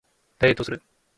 ダイエットをする